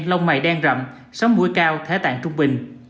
lông mày đen rậm sóng mũi cao thể tạng trung bình